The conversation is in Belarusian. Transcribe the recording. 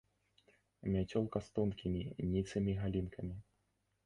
Мяцёлка з тонкімі, ніцымі галінкамі.